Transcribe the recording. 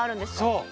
そう。